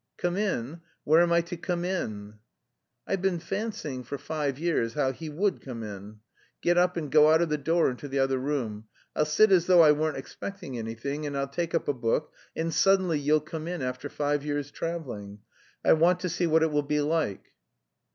"Come in? Where am I to come in?" "I've been fancying for five years how he would come in. Get up and go out of the door into the other room. I'll sit as though I weren't expecting anything, and I'll take up a book, and suddenly you'll come in after five years' travelling. I want to see what it will be like."